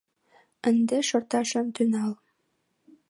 Ынде шорташ ом тӱҥал